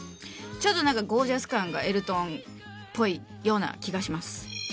ちょっとなんかゴージャス感がエルトンっぽいような気がします。